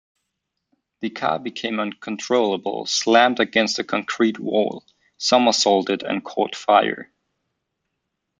The car became uncontrollable, slammed against a concrete wall, somersaulted and caught fire.